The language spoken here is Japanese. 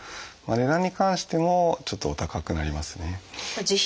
値段に関してもちょっとお高くなりますね。